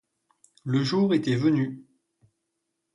Le jour était venu.